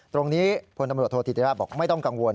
ตรงนี้คนตำรวจโทษธิติราชบอกไม่ต้องกังวล